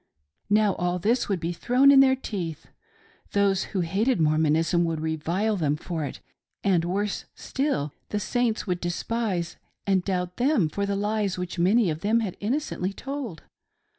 Now, all this would be thrown in their teeth. Those who hated Mormonism would revile them for it, and, worse still, the Saints themselves would despise and doubt them for the lies which many of them had innocently told.